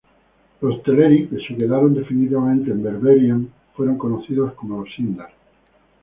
Los Teleri que se quedaron definitivamente en Beleriand fueron conocidos como los Sindar.